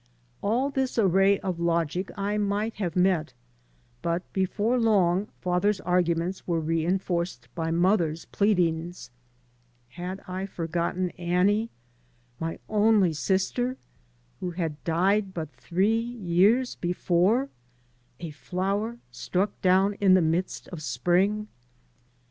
All this array of logic I might have met, but before long father's arguments were reinforced by mother's pleadings, fiad I forgotten Annie, my only sister, who had died but three years before, a flower struck down in the midst of spring?